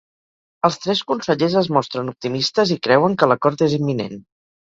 Els tres consellers es mostren optimistes i creuen que l’acord és imminent.